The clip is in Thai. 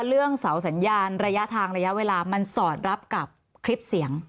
เรื่องเสาสัญญาณระยะทางระยะเวลามันสอดรับกับคลิปเสียง